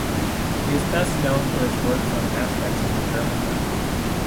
He is best known for his works on aspects of the German language.